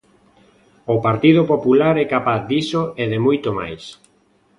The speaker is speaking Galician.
O Partido Popular é capaz diso e de moito máis.